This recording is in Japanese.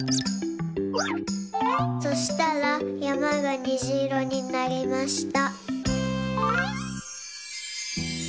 そしたらやまがにじいろになりました。